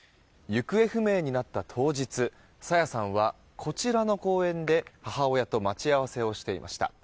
行方不明になった当日朝芽さんは、こちらの公園で母親と待ち合わせをしていました。